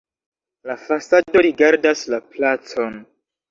La fasado rigardas la placon.